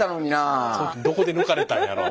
どこで抜かれたんやろ。